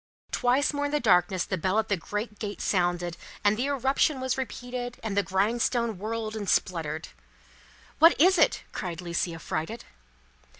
Twice more in the darkness the bell at the great gate sounded, and the irruption was repeated, and the grindstone whirled and spluttered. "What is it?" cried Lucie, affrighted.